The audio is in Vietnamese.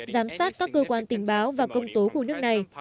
giám sát các cơ quan tình báo và công tố của nước này